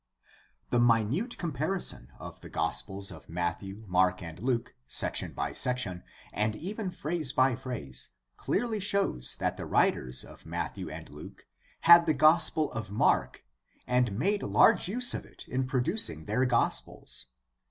The minute comparison of the Gospels of Matthew, Mark, and Luke, section by section and even phrase by phrase, clearly shows that the writers of Matthew and Luke had the Gospel of Mark and made large use of it in producing their I go GUIDE TO STUDY OF CHRISTIAN RELIGION gospels.